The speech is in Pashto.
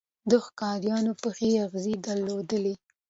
د ښکاریانو پخې خزې یې درلودې.